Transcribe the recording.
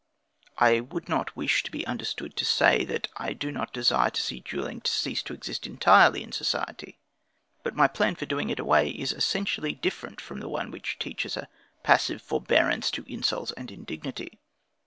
I would not wish to be understood to say, that I do not desire to see duelling to cease to exist entirely, in society. But my plan for doing it away, is essentially different from the one which teaches a passive forbearance to insult and indignity.